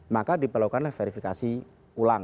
maka diperlakukanlah verifikasi ulang